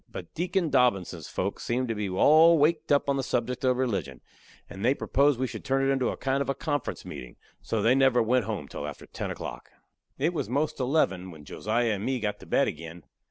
But Deacon Dobbinses' folks seemed to be all waked up on the subject of religion, and they proposed we should turn it into a kind of a conference meetin'; so they never went home till after ten o'clock. It was 'most eleven when Josiah and me got to bed agin.